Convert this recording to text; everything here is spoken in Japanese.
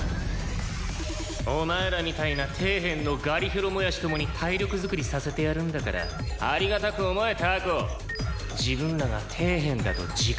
「お前らみたいな底辺のガリヒョロもやしどもに体力作りさせてやるんだからありがたく思えタコ」「自分らが底辺だと自覚しろ」